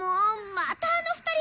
またあの２人！？